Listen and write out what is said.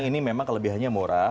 ini memang kelebihannya murah